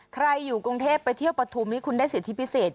ใครอยู่กรุงเทพไปเที่ยวปฐุมนี่คุณได้สิทธิพิเศษ